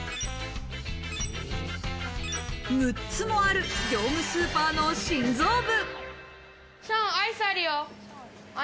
６つもある業務スーパーの心臓部。